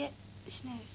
しないです」